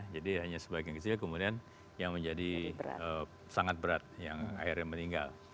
jadi hanya sebagian kecil kemudian yang menjadi sangat berat yang akhirnya meninggal